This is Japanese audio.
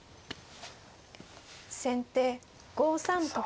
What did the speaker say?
先手５三と金。